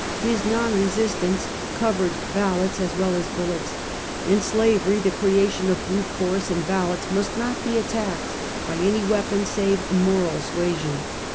His non resistance covered ballots as well as bullets, and slavery, the creation of brute force and ballots, must not be attacked by any weapon, save moral sua sion.